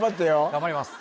頑張ります